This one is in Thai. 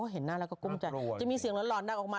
เห็นหน้าแล้วก็กุ้มใจจะมีเสียงหลอนดังออกมา